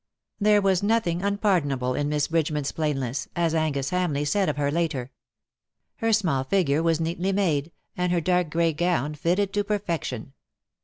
There was nothing unpardonable in Miss Bridgeman's plainness, as Angus Hamleigli said of her later. Her small figure was neatly made, and her dark grey gown fitted to perfection.